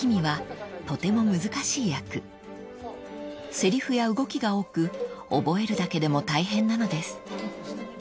［せりふや動きが多く覚えるだけでも大変なのです］